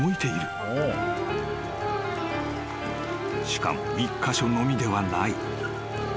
［しかも１カ所のみではない］